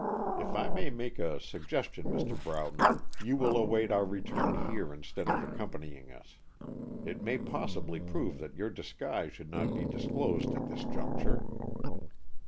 If I may make a suggestion, Mr. Broughton, you will await our return here instead of accompanying us. It may possibly prove that your disguise should not be disclosed at this juncture."